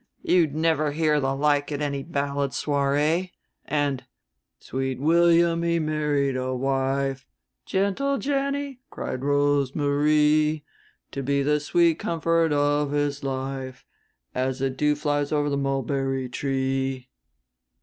You'd never hear the like at any Ballad Soirée. And: _"Sweet William, he married a wife, 'Gentle Jenny,' cried Rose Marie, To be the sweet comfort of his life, As the dew flies over the mulberry tree."